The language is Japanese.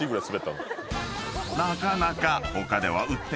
［なかなか］